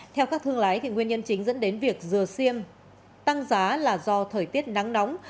theo các thương lái nguyên nhân chính dẫn đến việc dừa xiêm tăng giá là do thời tiết nắng nóng